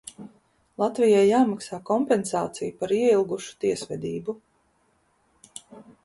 Latvijai jāmaksā kompensācija par ieilgušu tiesvedību.